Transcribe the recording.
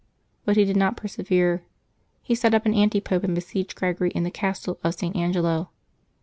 But he did not persevere. He set up an antipope, and besieged Greg ory in the castle of St. Angelo.